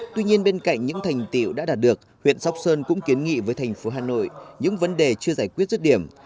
tuy nhiên bên cạnh những thành tiệu đã đạt được huyện sóc sơn cũng kiến nghị với thành phố hà nội những vấn đề chưa giải quyết rứt điểm